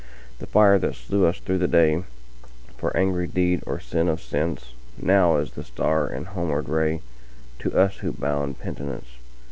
The fire that slew us through the dayFor angry deed or sin of senseNow is the star and homeward rayTo us who bow in penitence.